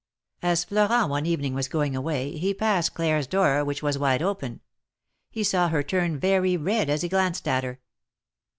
As Florent one evening was going away, he passed Claire's door, which was wide open. He saw her turn very red as he glanced at her.